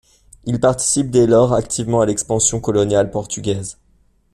Il participe dès lors activement à l'expansion coloniale portugaise.